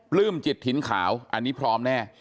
ลื้มจิตถิ่นขาวอันนี้พร้อมแน่